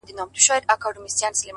چي محبت يې زړه كي ځاى پيدا كړو.!